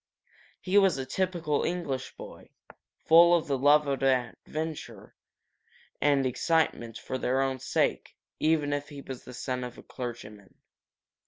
He was a typical English boy, full of the love of adventure and excitement for their own sake, even if he was the son of a clergyman.